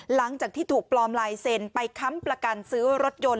หลังจากที่ถูกปลอมลายเซ็นต์ไปค้ำประกันซื้อรถยนต์